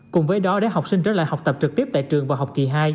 cùng với đó để học sinh trở lại học tập trực tiếp tại trường và học kỳ hai